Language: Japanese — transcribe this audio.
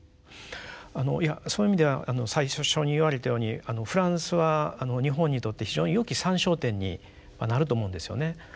いやそういう意味では最初に言われたようにフランスは日本にとって非常によき参照点になると思うんですよね。